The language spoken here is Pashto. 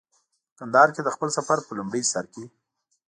په کندهار کې د خپل سفر په لومړي سر کې.